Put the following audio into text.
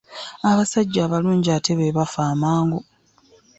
Abasajja abalungi ate be bafa amangu.